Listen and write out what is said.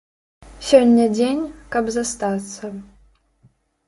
Сёння дзень, каб застацца.